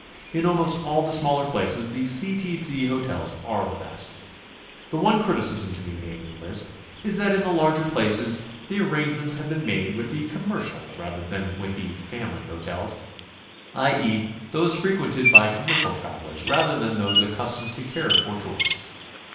In almost all the smaller places the C. T. C. hotels are the best. The one criticism to be made of the list is that in the larger places the arrangements have been made with the "commercial" rather than with the "family" hotels, i. e., those frequented by com mercial travelers rather than those accustomed to care for tourists.